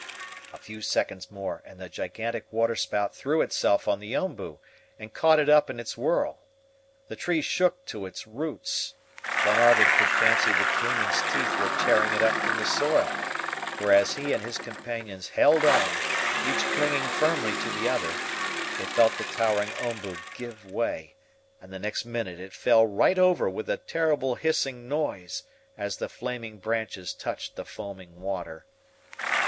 A few seconds more, and the gigantic water spout threw itself on the OMBU, and caught it up in its whirl. The tree shook to its roots. Glenarvan could fancy the caimans' teeth were tearing it up from the soil; for as he and his companions held on, each clinging firmly to the other, they felt the towering OMBU give way, and the next minute it fell right over with a terrible hissing noise, as the flaming branches touched the foaming water.